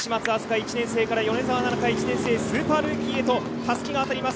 １年生から米澤奈々香１年生スーパールーキーへとたすきが渡ります。